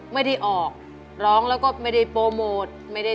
ไม่ได้ออกร้องแล้วก็ไม่ได้โปรโมท